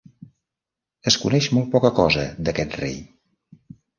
Es coneix molt poca cosa d'aquest rei.